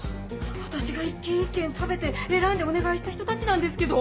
私が一軒一軒食べて選んでお願いした人たちなんですけど。